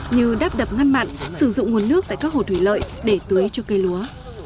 như đắp đập ngăn mặn sử dụng nguồn nước tại các hồ thủy lợi để tưới cho cây lúa